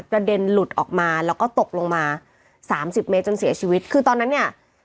เด็นหลุดออกมาแล้วก็ตกลงมาสามสิบเมตรจนเสียชีวิตคือตอนนั้นเนี่ย